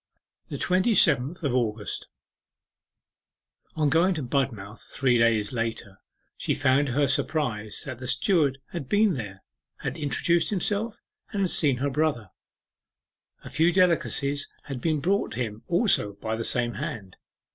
THE TWENTY SEVENTH OF AUGUST On going to Budmouth three days later, she found to her surprise that the steward had been there, had introduced himself, and had seen her brother. A few delicacies had been brought him also by the same hand.